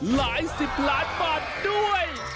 ไหลสิบหลายมาด้วย